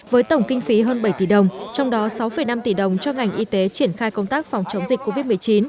với tổng kinh phí hơn bảy tỷ đồng trong đó sáu năm tỷ đồng cho ngành y tế triển khai công tác phòng chống dịch covid một mươi chín